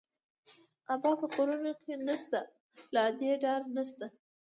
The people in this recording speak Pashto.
ابا په کور نه شته، له ادې ډار نه شته